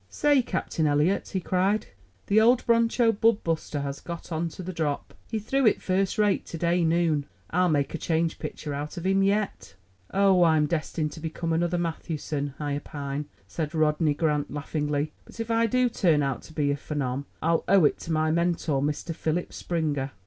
"Say, Captain Eliot," he cried, "the old broncho bub buster has got onto the drop. He threw it first rate to day noon. I'll make a change pitcher out of him yet." "Oh, I'm destined to become another Mathewson, I opine," said Rodney Grant laughingly; "but if I do turn out to be a phenom, I'll owe it to my mentor, Mr. Philip Springer."